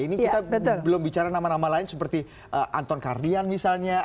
ini kita belum bicara nama nama lain seperti anton kardian misalnya